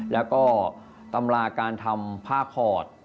แล้วก็ตำราการทำผ้าขอด